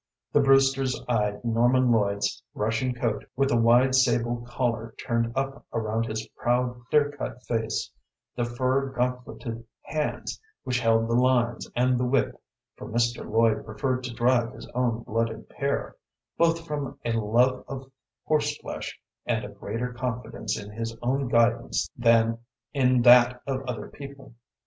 The Brewsters eyed Norman Lloyd's Russian coat with the wide sable collar turned up around his proud, clear cut face, the fur gauntleted hands which held the lines and the whip, for Mr. Lloyd preferred to drive his own blooded pair, both from a love of horseflesh and a greater confidence in his own guidance than in that of other people.